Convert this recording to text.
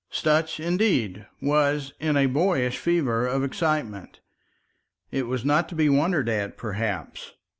Sutch, indeed, was in a boyish fever of excitement. It was not to be wondered at, perhaps.